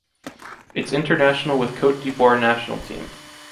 It’s international with Côte d'Ivoire national team.